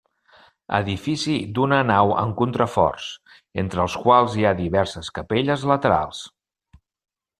Edifici d'una nau amb contraforts, entre els quals hi ha diverses capelles laterals.